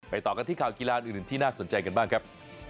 ต่อกันที่ข่าวกีฬาอื่นที่น่าสนใจกันบ้างครับ